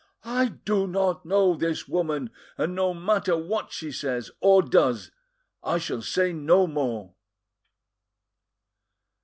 I do not know this woman, and no matter what she says or does, I shall say no more."